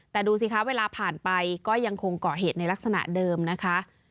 แต่ดูสิคะเวลาผ่านไปก็ยังคงเกาะเหตุในลักษณะเดิมนะคะ